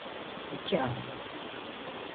İki ay.